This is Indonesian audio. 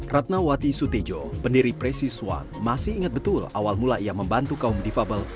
ratna wati sutejo pendiri presiswan masih ingat betul awal mula ia membantu kaum difabel